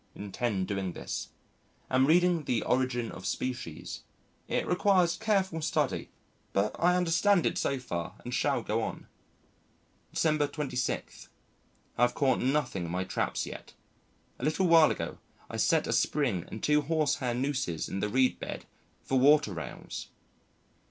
Intend doing this. Am reading the Origin of Species. It requires careful study, but I understand it so far and shall go on. December 26. I have caught nothing in my traps yet. A little while ago I set a springe and two horse hair nooses in the reed bed for water rails.